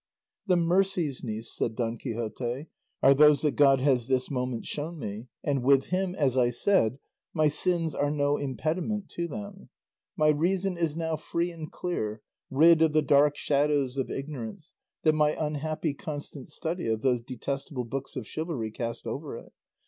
"The mercies, niece," said Don Quixote, "are those that God has this moment shown me, and with him, as I said, my sins are no impediment to them. My reason is now free and clear, rid of the dark shadows of ignorance that my unhappy constant study of those detestable books of chivalry cast over it.